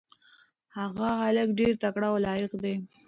هغه هلک ډېر تکړه او لایق دی.